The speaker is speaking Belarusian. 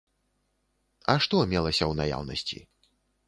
А што мелася ў наяўнасці?